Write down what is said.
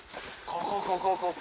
ここここ！